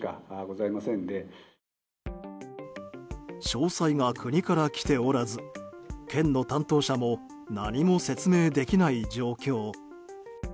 詳細が国から来ておらず県の担当者も何も説明できない状況。